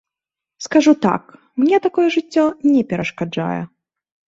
Скажу так, мне такое жыццё не перашкаджае.